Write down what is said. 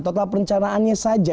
total perencanaannya saja